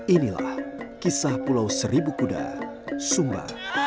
inilah kisah pulau seribu kuda sumba